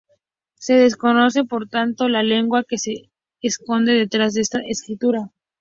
Se desconoce, por tanto, la lengua que se esconde detrás de esta escritura.